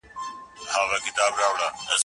څېړنه د کومو علمي معیارونو اړتیا لري؟